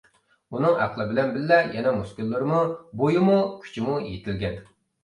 ئۇنىڭ ئەقلى بىلەن بىللە يەنە مۇسكۇللىرىمۇ، بويىمۇ، كۈچىمۇ يېتىلگەن.